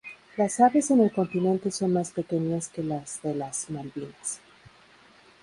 Las aves en el continente son más pequeñas que las de las Malvinas.